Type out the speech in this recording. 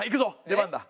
出番だ。